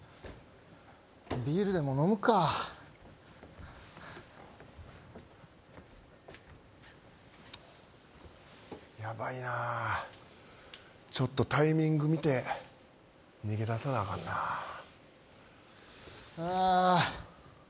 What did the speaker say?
ビールでも飲むかヤバいなあちょっとタイミング見て逃げ出さなアカンなあっ